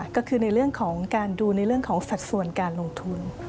ก็คือในเรื่องของการดูในเรื่องของสัดส่วนการลงทุน